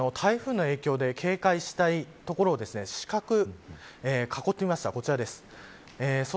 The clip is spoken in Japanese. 特に台風の影響で警戒したい所を四角で囲ってみました。